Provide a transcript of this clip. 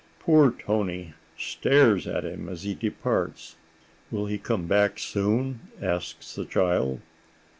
Poor Toni stares at him as he departs. "Will he come back soon?" asks the child.